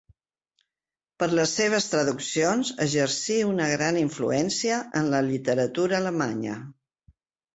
Per les seves traduccions exercí una gran influència en la literatura alemanya.